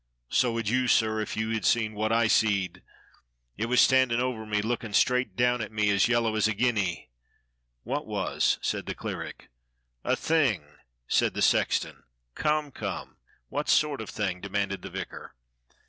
"So would you, sir, if you seen wot I seed. It was standin' over me lookin' straight down at me, as yellow as a guinea." "TVliat was?" said the cleric. "A thing!" said the sexton. "Come, come, what sort of thing.?" demanded the vicar.